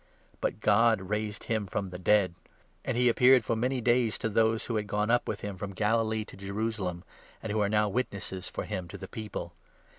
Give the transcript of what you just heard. But God raised him from the dead ; and 30, he appeared for many days to those who had gone up with him from Galilee to Jerusalem, and who are now witnesses for him to the people.